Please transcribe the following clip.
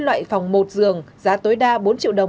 loại phòng một giường giá tối đa bốn triệu đồng